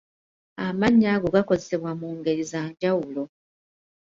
Amannya ago gakozesebwa mu ngeri za njawulo.